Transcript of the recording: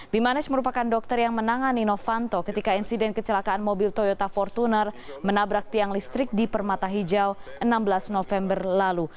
bimanesh merupakan dokter yang menangani novanto ketika insiden kecelakaan mobil toyota fortuner menabrak tiang listrik di permata hijau enam belas november lalu